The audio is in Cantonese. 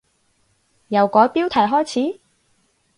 由改標題開始？